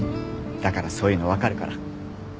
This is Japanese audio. だからそういうの分かるから。